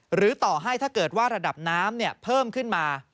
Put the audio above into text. หรือต่อให้ถ้าเกิดว่าระดับน้ำเพิ่มขึ้นมา